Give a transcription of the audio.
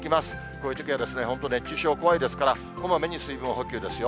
こういうときは、本当、熱中症怖いですから、こまめに水分補給ですよ。